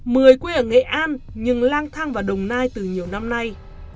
mười quê ở nghệ an nhưng lang thang vào đồng nai từ nhiều năm nay